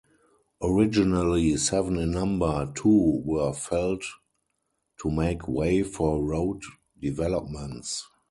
Originally seven in number, two were felled to make way for road developments.